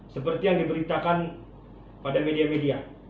seperti yang diberitakan pada media media